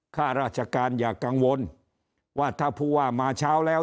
ข้าราชการอย่ากังวลว่าถ้าผู้ว่ามาเช้าแล้ว